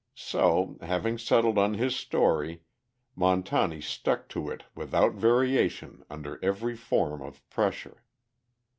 So, having settled on his story, Montani stuck to it without variation under every form of pressure.